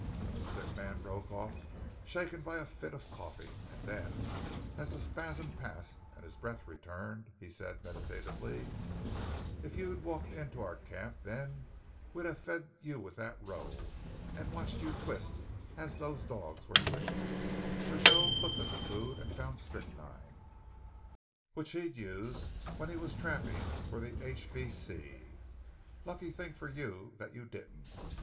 The sick man broke off, shaken by a fit of coughing, and then as the spasm passed and his breath returned, he said meditatively, "If you'd walked into our camp then we'd have fed you with that roe, and watched you twist as those dogs were twisted, for Joe looked at the food and found strychnine, which he'd used when he was trapping for the H. B. C.... Lucky thing for you that you didn't!